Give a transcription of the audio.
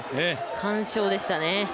完勝でしたね。